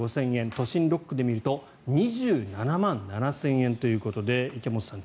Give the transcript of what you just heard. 都心６区で見ると２７万７０００円ということで池本さん